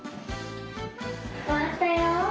おわったよ。